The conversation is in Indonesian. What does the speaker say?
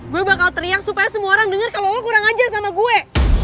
gue bakal teriak supaya semua orang dengar kalau lo kurang ajar sama gue